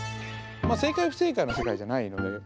まあ正解不正解の世界じゃないので。